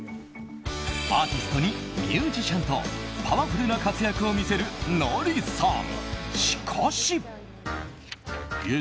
アーティストにミュージシャンとパワフルな活躍を見せるノリさん。